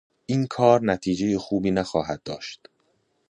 این کار نتیجه خوبی نخواهد داشت.